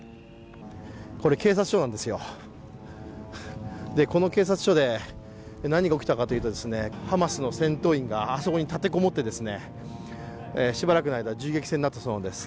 これ警察署なんですよ、この警察署で何が起きたかというとハマスの戦闘員があそこに立てこもって、しばらくの間、銃撃戦があったそうなんです。